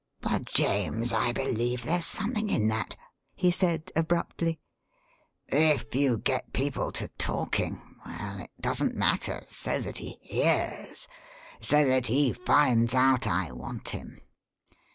"By James, I believe there's something in that!" he said, abruptly. "If you get people to talking.... Well, it doesn't matter, so that he hears so that he finds out I want him.